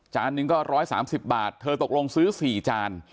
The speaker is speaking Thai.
หนึ่งก็๑๓๐บาทเธอตกลงซื้อ๔จาน